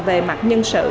về mặt nhân sự